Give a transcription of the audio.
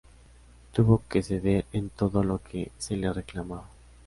Tuvo que ceder en todo lo que se le reclamaba.